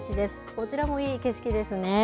こちらもいい景色ですね。